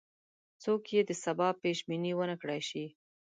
څوک یې د سبا پیش بیني ونه کړای شي.